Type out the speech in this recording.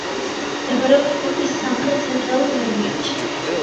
მდებარეობს ქვეყნის სამხრეთ-ცენტრალურ რეგიონში.